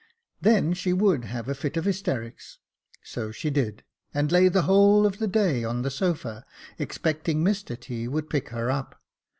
Then she would have a fit of hysterics. So she did, and lay the whole of the day on the sofa, expecting Mr T. would pick her up.